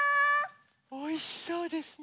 おいしそうですね。